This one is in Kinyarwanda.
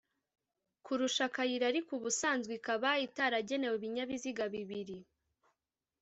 kurusha akayira ariko ubusanzwe ikaba itaragenewe ibinyabiziga bibiri